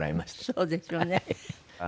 そうですね。